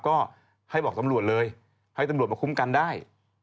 ก็ให้บอกตำรวจเลยให้ตำรวจมาคุ้มกันได้